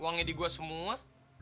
uangnya di gue semua